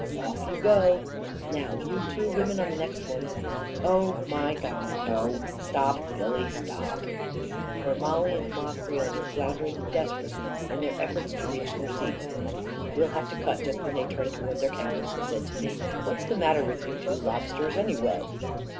"Off you go! Now you two women on the next ones — oh, my God, no ! Stop, Billy, stop !" for Mollie and Ma Creel were floun dering desperately in their efforts to reach their seats. " We'll have to cut just when they turn to ward their camels," he said to me. "What's the matter with you two lobsters, anyway